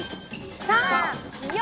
３。４。